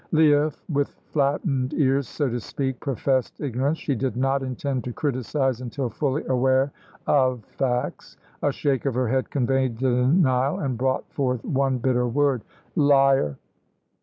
Leah, with flattened ears, so to speak, professed ignorance. She did not intend to criticise until fully aware of facts. A shake of her head conveyed the denial and brought forth one bitter word. "Liar!"